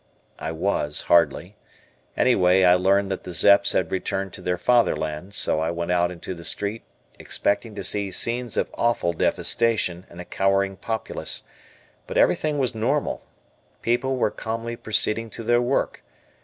I was, hardly. Anyway, I learned that the Zeps had returned to their Fatherland, so I went out into the street expecting to see scenes of awful devastation and a cowering populace, but everything was normal. People were calmly proceeding to their work.